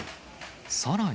さらに。